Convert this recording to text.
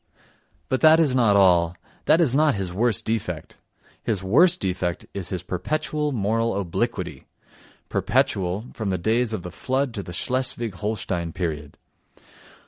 But that is not all, that is not his worst defect; his worst defect is his perpetual moral obliquity, perpetual—from the days of the Flood to the Schleswig Holstein period.